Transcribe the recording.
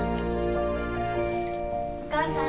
お母さん。